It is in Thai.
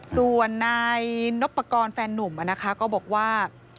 ส่วนในนกประกอลแฟนหนุ่มนะคะก็บอกว่า